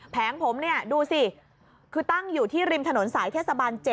แผงผมเนี่ยดูสิคือตั้งอยู่ที่ริมถนนสายเทศบาล๗